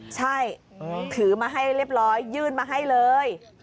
ใช่ถือมาให้เรียบร้อยยื่นมาให้เลย